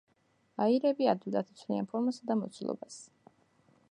აირები ადვილად იცვლიან ფორმასა და მოცულობას.